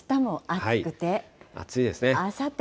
暑いですね。